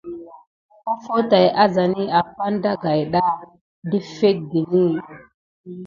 Offo tay azani apane daga ɗa naku ne wure na kusim ɓa.